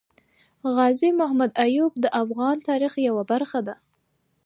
غازي محمد ايوب د افغان تاريخ يوه برخه ده